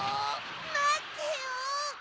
まってよ！